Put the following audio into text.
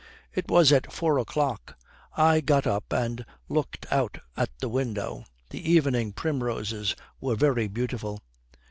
'It was at four o'clock. I got up and looked out at the window. The evening primroses were very beautiful.'